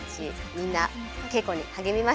みんな稽古に励みました。